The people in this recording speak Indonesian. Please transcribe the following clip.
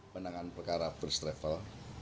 penanganan perkara first travel